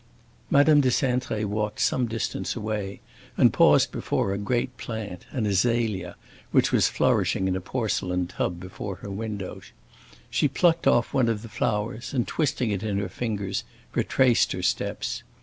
Madame de Cintré walked some distance away, and paused before a great plant, an azalea, which was flourishing in a porcelain tub before her window. She plucked off one of the flowers and, twisting it in her fingers, retraced her steps.